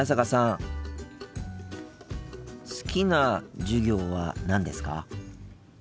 好きな授業は何ですか？